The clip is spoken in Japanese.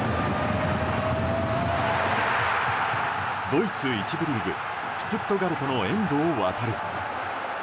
ドイツ１部リーグシュツットガルトの遠藤航。